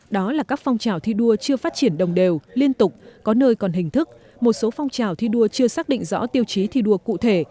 đó là các phong trào thi đua chưa phát triển đồng đều liên tục có nơi còn hình thức một số phong trào thi đua chưa xác định rõ tiêu chí thi đua cụ thể